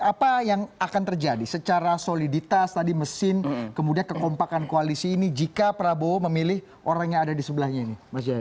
apa yang akan terjadi secara soliditas tadi mesin kemudian kekompakan koalisi ini jika prabowo memilih orang yang ada di sebelahnya ini